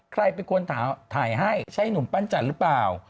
ใครเป็นคนถ่ายให้ใช่หนุ่มปั้นจันทร์หรือเปล่า